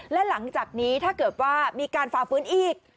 และหลังจากนี้ถ้าเกิดว่ามีการฝ่าฟื้นอีก